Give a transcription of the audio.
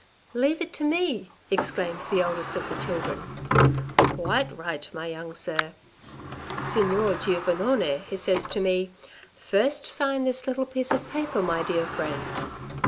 "" Leave it to me," exclaimed the eldest of the children. " Quite right, my young sir. Signor Giovannone he says to me, ' First sign this little piece of paper, my dear friend.'